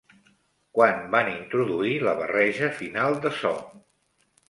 Quan van introduir la barreja final de so?